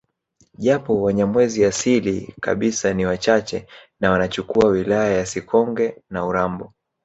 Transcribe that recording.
Japo wanyamwezi asili kabisa ni wachache na wanachukua wilaya ya Sikonge na urambo